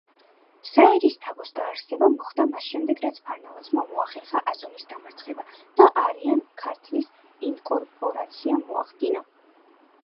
საერისთავოს დაარსება მოხდა მას შემდეგ რაც ფარნავაზმა მოახერხა აზონის დამარცხება და არიან-ქართლის ინკორპორაცია მოახდინა.